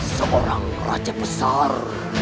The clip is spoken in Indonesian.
seorang raja besar